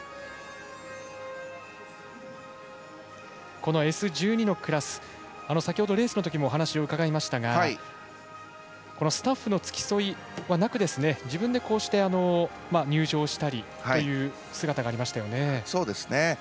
このＳ１２のクラス先ほどレースのときにもお話伺いましたがスタッフの付き添いはなく自分でこうして入場したりという姿がありましたよね。